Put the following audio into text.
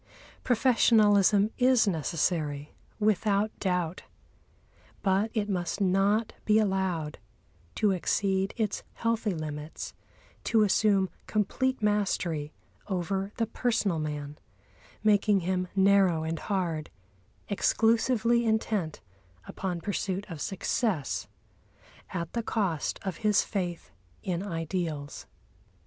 Professionalism is necessary, without doubt; but it must not be allowed to exceed its healthy limits, to assume complete mastery over the personal man, making him narrow and hard, exclusively intent upon pursuit of success at the cost of his faith in ideals.